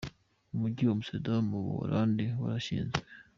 Umujyi wa Amsterdam mu Buholandi warashinzwe.